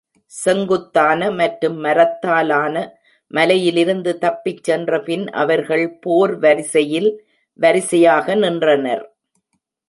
செங்குத்தான மற்றும் மரத்தாலான மலையிலிருந்து தப்பிச் சென்றபின், அவர்கள் போர் வரிசையில் வரிசையாக நின்றனர்.